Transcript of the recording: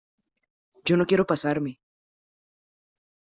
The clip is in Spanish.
yo no quiero pasarme